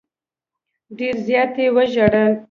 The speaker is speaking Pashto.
ډېر زیات یې وژړل.